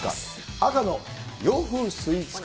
赤の洋風スイーツか。